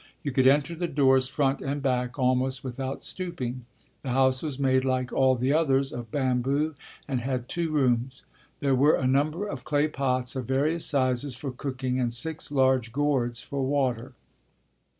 You could enter the doors front and back almost without stooping. The house was made like all the others of bamboo and had two rooms. There were a number of clay pots of various sizes for cooking and six large gourds for water.